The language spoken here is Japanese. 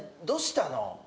どうしたの？